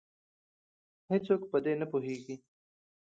هیڅوک په دې نه پوهیږې